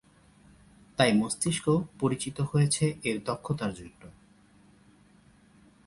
তাই মস্তিষ্ক পরিচিত হয়েছে এর দক্ষতার জন্য।